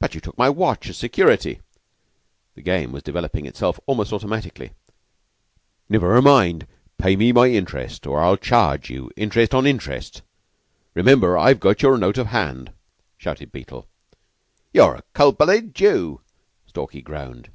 "But you took my watch as security." The game was developing itself almost automatically. "Never mind. Pay me my interest, or I'll charge you interest on interest. Remember, I've got your note of hand!" shouted Beetle. "You are a cold blooded Jew," Stalky groaned.